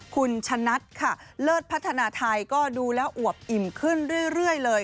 คุณชะนัดค่ะเลิศพัฒนาไทยก็ดูแล้วอวบอิ่มขึ้นเรื่อยเลย